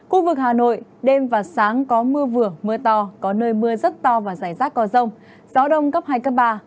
khu vực hà nội đêm và sáng có mưa vừa mưa to có nơi mưa rất to và rải rác có rông gió đông cấp hai cấp ba